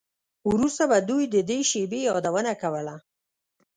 وروسته به دوی د دې شیبې یادونه کوله